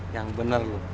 yang bener lu